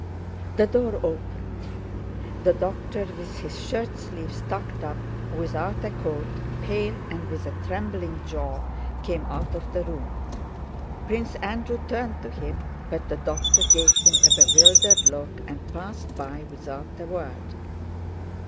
The door opened. The doctor with his shirt sleeves tucked up, without a coat, pale and with a trembling jaw, came out of the room. Prince Andrew turned to him, but the doctor gave him a bewildered look and passed by without a word.